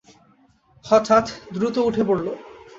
হঠাৎ দ্রুত উঠে পড়ল।